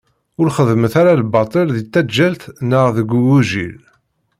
Ur xeddmet ara lbaṭel di taǧǧalt neɣ deg ugujil.